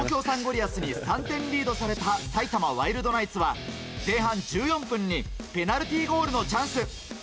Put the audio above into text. リアスに３点リードされた埼玉ワイルドナイツは前半１４分にペナルティーゴールのチャンス。